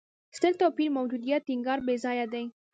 ستر توپیر موجودیت ټینګار بېځایه دی.